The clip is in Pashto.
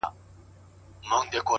زه خو ځکه لېونتوب په خوښۍ نمانځم,